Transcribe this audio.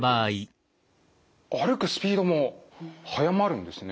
歩くスピードも速まるんですね。